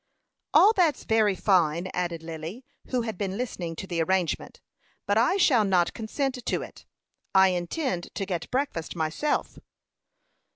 "All that's very fine," added Lily, who had been listening to the arrangement; "but I shall not consent to it. I intend to get breakfast myself."